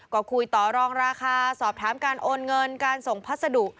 ก็คุยต่อรองราคาสอบถามการโอนเงินการส่งพัสดุ